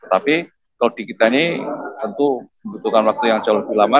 tapi kalau di kita ini tentu membutuhkan waktu yang jauh lebih lama